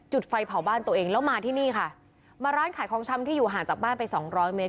ไฟเผาบ้านตัวเองแล้วมาที่นี่ค่ะมาร้านขายของชำที่อยู่ห่างจากบ้านไปสองร้อยเมตร